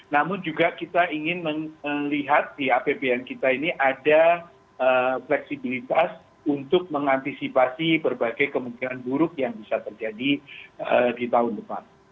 namun juga kita ingin melihat di apbn kita ini ada fleksibilitas untuk mengantisipasi berbagai kemungkinan buruk yang bisa terjadi di tahun depan